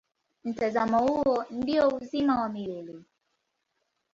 Mtazamo huo ndio uzima wa milele.